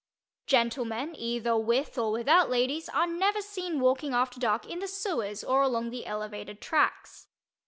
Gentlemen, either with or without ladies, are never seen walking after dark in the sewers or along the elevated, tracks.